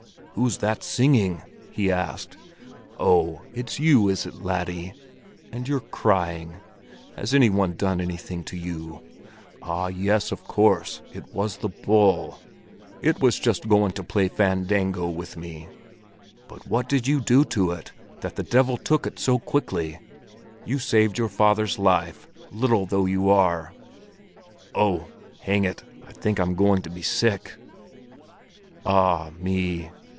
"Who's that singing?" he asked. "Oh, it's you, is it, laddie? And you're crying! Has any one done anything to you? Ah, yes, of course, it was the bull! It was just going to play fandango with me. But what did you do to it, that the devil took it so quickly? You saved your father's life, little though you are. Oh, hang it! I think I'm going to be sick! Ah me!"